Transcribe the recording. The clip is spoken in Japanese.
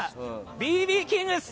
Ｂ．Ｂ．キング！